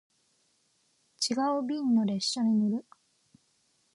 違う便の列車に乗る